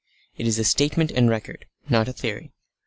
It is a statement and record; not a theory.